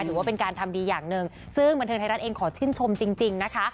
ถือว่าเป็นการทำดีอย่างหนึ่งซึ่งบันเทิงไทยรัฐเองขอชื่นชมจริงนะคะ